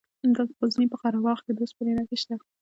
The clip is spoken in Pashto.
د غزني په قره باغ کې د اوسپنې نښې شته.